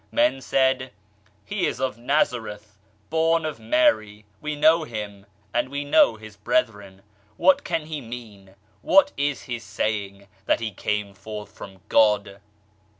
Men said, "He is of Nazareth, born of Mary, we know Him and we know His brethren. What can He mean ? What is He saying ? That He came forth from God